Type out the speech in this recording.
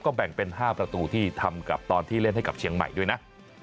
แบ่งเป็น๕ประตูที่ทำกับตอนที่เล่นให้กับเชียงใหม่ด้วยนะ